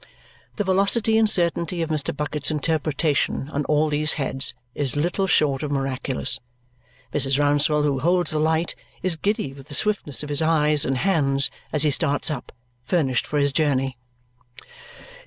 The velocity and certainty of Mr. Bucket's interpretation on all these heads is little short of miraculous. Mrs. Rouncewell, who holds the light, is giddy with the swiftness of his eyes and hands as he starts up, furnished for his journey.